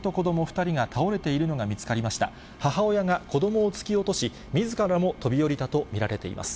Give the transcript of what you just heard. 母親が子どもを突き落とし、みずからも飛び降りたと見られています。